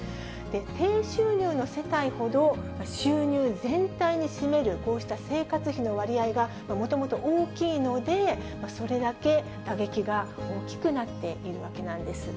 低収入の世帯ほど、収入全体に占めるこうした生活費の割合がもともと大きいので、それだけ打撃が大きくなっているわけなんです。